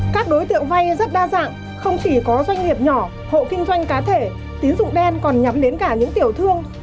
các đối tượng vay rất đa dạng không chỉ có doanh nghiệp nhỏ hộ kinh doanh cá thể tín dụng đen còn nhắm đến cả những tiểu thương